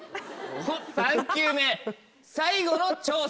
３球目最後の挑戦。